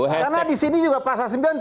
karena di sini juga pasar sembilan